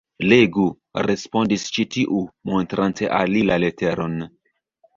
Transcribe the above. Legu, respondis ĉi tiu, montrante al li la leteron.